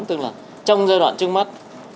tức là trong giai đoạn trước mắt